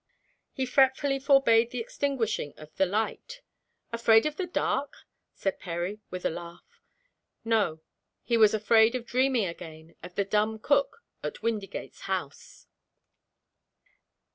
He fretfully forbade the extinguishing of the light. "Afraid of the dark?" said Perry, with a laugh. No. He was afraid of dreaming again of the dumb cook at Windygates House.